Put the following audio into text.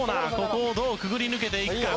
ここをどうくぐり抜けていくか。